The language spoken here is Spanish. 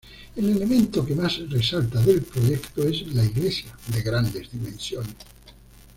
El elemento que más resalta del proyecto es la iglesia, de grandes dimensiones.